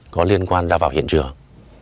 có liên quan ra vào hiện trường